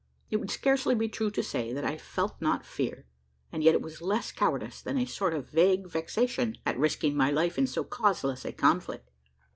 It would scarcely be true to say, that I felt not fear; and yet it was less cowardice, than a sort of vague vexation at risking my life in so causeless a conflict.